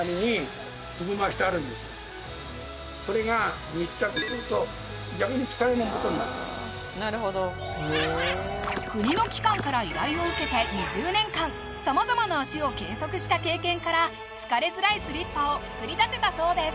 これが国の機関から依頼を受けて２０年間さまざまな足を計測した経験から疲れづらいスリッパを作り出せたそうです